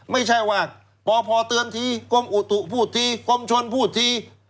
ไม่ใช่ว่าปพเตือนทีกรมอุตุพูดทีกรมชนพูดที